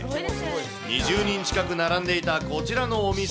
２０人近く並んでいたこちらのお店。